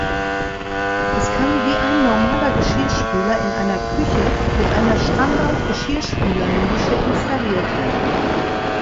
Es kann wie ein normaler Geschirrspüler in einer Küche mit einer Standard-Geschirrspülernische installiert werden.